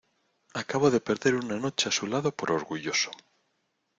acabo de perder una noche a su lado por orgulloso.